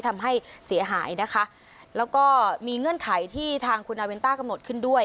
ทำให้เสียหายนะคะแล้วก็มีเงื่อนไขที่ทางคุณนาวินต้ากำหนดขึ้นด้วย